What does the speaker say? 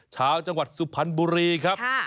ชาวจังหวัดสุพรรณบุรีครับ